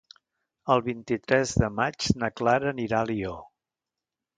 El vint-i-tres de maig na Clara anirà a Alió.